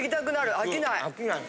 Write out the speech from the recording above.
飽きない。